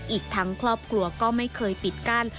อีกทั้งครอบครัวก็ไม่เคยปิดกั้น